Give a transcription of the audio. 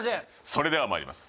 それではまいります